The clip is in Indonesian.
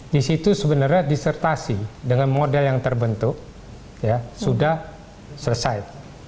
disitu sebenarnya disertasi dengan model yang terbentuk ya sudah selesai